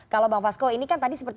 kalau bang fasko ini kan tadi seperti